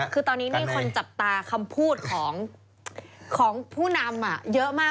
คือตอนนี้มีคนจับตาคำพูดของผู้นำเยอะมาก